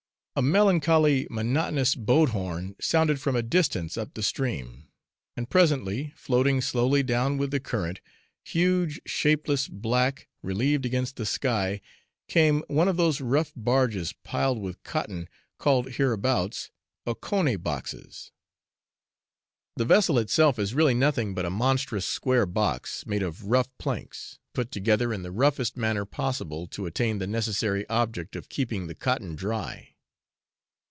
A melancholy, monotonous boat horn sounded from a distance up the stream, and presently, floating slowly down with the current, huge, shapeless, black relieved against the sky, came one of those rough barges piled with cotton, called, hereabouts, Ocone boxes. The vessel itself is really nothing but a monstrous square box, made of rough planks, put together in the roughest manner possible to attain the necessary object of keeping the cotton dry.